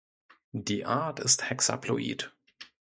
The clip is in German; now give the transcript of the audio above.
Die Art ist hexaploid.